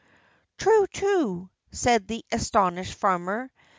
"True, true!" said the astonished farmer.